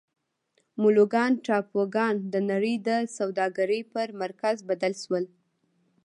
مولوکان ټاپوګان د نړۍ د سوداګرۍ پر مرکز بدل شول.